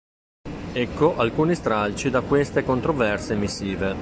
Ecco alcuni stralci da queste controverse missive.